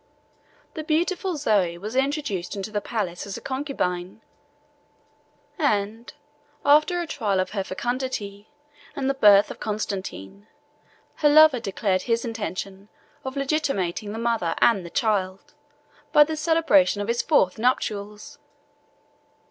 The beautiful Zoe was introduced into the palace as a concubine; and after a trial of her fecundity, and the birth of Constantine, her lover declared his intention of legitimating the mother and the child, by the celebration of his fourth nuptials.